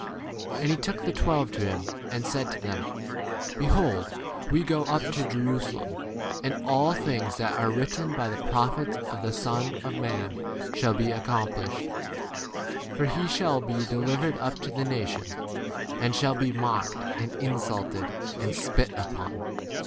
■ T. K. reads ' in heaven.' 1 Or ' house.' n axiToC. 31 And he took the twelve to [him] and said to them, Behold, we go up to Jerusalem, and all things that are written by the prophets of the Son of man shall be accom 32 plished ; for he shall be delivered up to the nations, and shall be mocked, and insulted, and spit 33 upon.